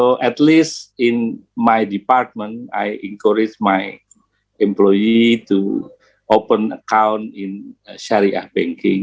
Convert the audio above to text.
jadi setidaknya di departemen saya saya mendorong pekerja saya untuk membuka akun dalam shariah banking